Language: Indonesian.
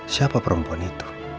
siapa perempuan itu